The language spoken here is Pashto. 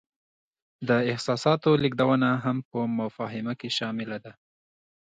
د احساساتو لیږدونه هم په مفاهمه کې شامله ده.